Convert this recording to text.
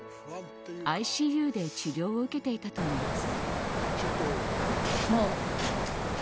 ＩＣＵで治療を受けていたといいます。